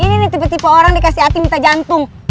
ini nih tipe tipe orang dikasih hati minta jantung